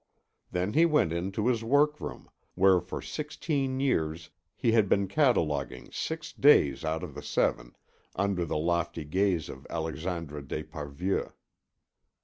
Then he went in to his workroom, where for sixteen years he had been cataloguing six days out of the seven, under the lofty gaze of Alexandre d'Esparvieu.